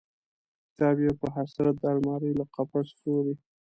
کتاب یې په حسرت د المارۍ له قفس ګوري